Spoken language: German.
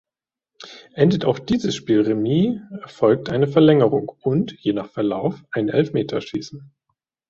Endet auch dieses Spiel remis, erfolgt eine Verlängerung und, je nach Verlauf, ein Elfmeterschießen.